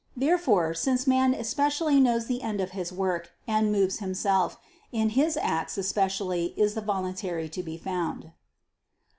Therefore, since man especially knows the end of his work, and moves himself, in his acts especially is the voluntary to be found.